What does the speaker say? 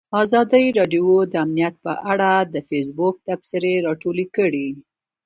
ازادي راډیو د امنیت په اړه د فیسبوک تبصرې راټولې کړي.